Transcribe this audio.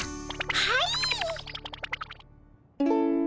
はい！